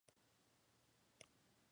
Además de actor, es poeta.